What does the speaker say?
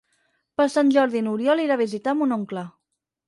Per Sant Jordi n'Oriol irà a visitar mon oncle.